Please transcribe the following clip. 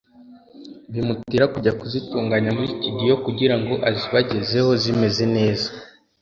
bimutera kujya kuzitunganya muri studio kugira ngo azibagezeho zimeze neza